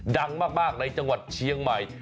ดังมากในจังหวัดเชียงใหม่